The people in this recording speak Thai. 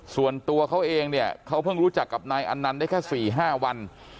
ส่วนตัวเขาเองเนี่ยเขาเพิ่งรู้จักกับนายอันนั้นได้แค่๔๕วัน